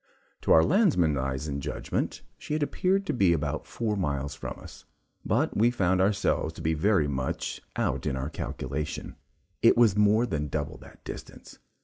To our landsmen's eyes and judgment, she had appeared to be about four miles from us, but we found ourselves very much out in our calculation it was more than double that distance.